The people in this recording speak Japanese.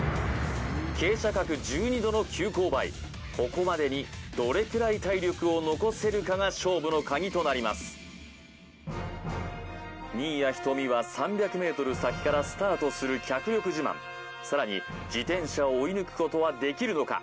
ここまでにどれくらい体力を残せるかが勝負のカギとなります新谷仁美は３００ｍ先からスタートする脚力自慢さらに自転車を追い抜くことはできるのか？